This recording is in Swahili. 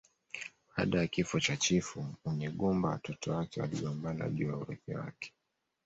Baada ya kifo cha chifu Munyigumba watoto wake waligombana juu ya urithi wake